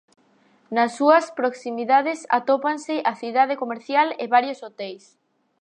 Nas súas proximidades atópanse a cidade comercial e varios hoteis.